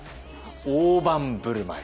「大盤振る舞い！！」。